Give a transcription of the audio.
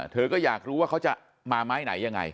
เธอก็อยากรู้ว่าเขาจะมาไม้ไหนยังไง